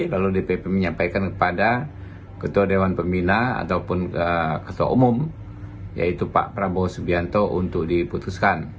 lalu dpp menyampaikan kepada ketua dewan pembina ataupun ketua umum yaitu pak prabowo subianto untuk diputuskan